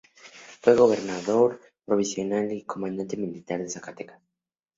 Fue Gobernador Provisional y Comandante Militar de Zacatecas.